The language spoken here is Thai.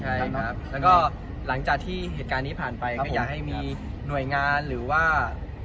ใช่ค่ะแล้วหลังจากเอการนี้ผ่านไปก็อยากให้มีหน่วยงานหรือว่า